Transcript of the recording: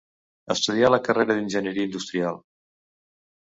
Estudià la carrera d'enginyeria industrial.